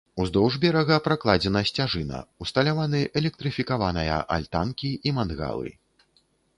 Уздоўж берага пракладзена сцяжына, усталяваны электрыфікаваная альтанкі і мангалы.